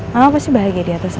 mama pasti bahagia diatas sana